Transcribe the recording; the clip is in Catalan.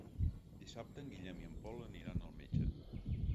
Dissabte en Guillem i en Pol aniran al metge.